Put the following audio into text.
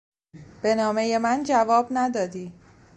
به نامهی من جواب ندادی.